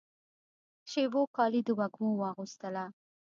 شېبو کالي د وږمو واغوستله